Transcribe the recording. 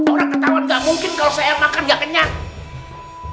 orang ketawa nggak mungkin kalau saya makan nggak kenyang